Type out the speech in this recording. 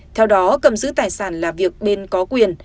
theo đó cầm giữ tài sản là việc bên có quyền